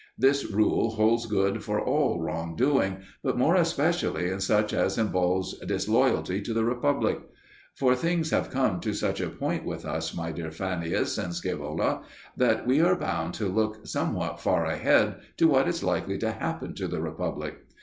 This rule holds good for all wrong doing, but more especially in such as involves disloyalty to the republic. For things have come to such a point with us, my dear Fannius and Scaevola, that we are bound to look somewhat far ahead to what is likely to happen to the republic.